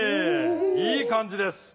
いい感じです。